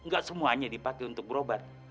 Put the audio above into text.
gak semuanya dipakai untuk berobat